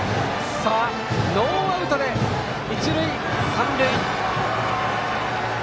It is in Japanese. さあ、ノーアウトで一塁三塁。